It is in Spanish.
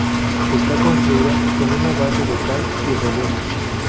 Está construida con una base de cal y rodeno.